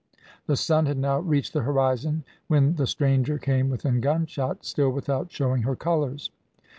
The sun had now reached the horizon, when the stranger came within gunshot, still without showing her colours.